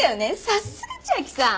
さすが千明さん。